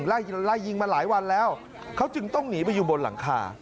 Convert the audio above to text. ไล่ยิงมาหลายวันแล้วเขาจึงต้องหนีไปอยู่บนหลังคา